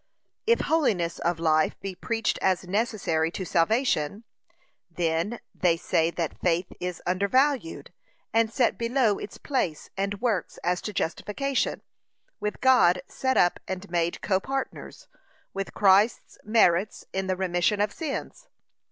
If holiness of life be preached as necessary to salvation, then (they say that) faith is undervalued, and set below its place, and works as to justification, with God set up and made co partners with Christ's merits in the remission of sins.